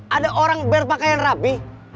ada orang berpakaian rapi